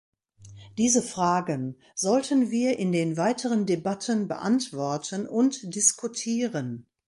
Diese Fragen sollten wir in den weiteren Debatten beantworten und diskutieren.